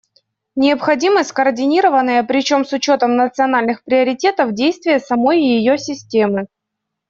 Необходимы скоординированные, причем с учетом национальных приоритетов, действия самой ее системы.